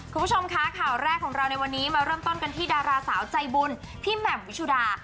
คุณผู้ชมคะข่าวแรกของเราในวันนี้มาเริ่มต้นกันที่ดาราสาวใจบุญพี่แหม่มวิชุดา